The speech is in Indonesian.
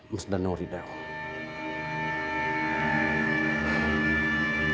mas denuri dewi